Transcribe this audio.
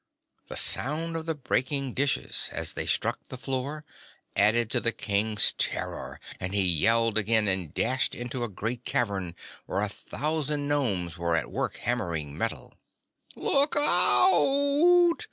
The sound of the breaking dishes, as they struck the floor, added to the King's terror and he yelled again and dashed into a great cavern where a thousand Nomes were at work hammering metal. "Look out!